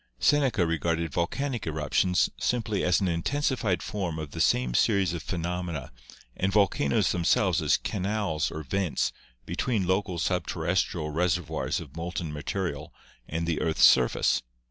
Seneca regarded volcanic eruptions simply as an intensi fied form of the same series of phenomena and volcanoes themselves as canals or vents between local sub terrestrial reservoirs of molten material and the earth's surface.